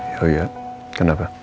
ya udah kenapa